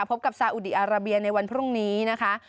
พบกับซาอุดีอาราเบียในวันพรุ่งนี้นะคะ